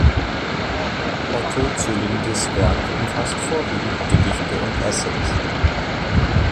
Otto zur Lindes Werk umfasst vorwiegend Gedichte und Essays.